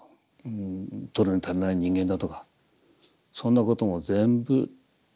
取るに足らない人間だとかそんなことも全部なくなってしまう。